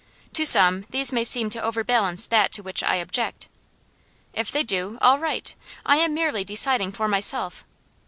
To some these may seem to overbalance that to which I object. If they do, all right. I am merely deciding for myself.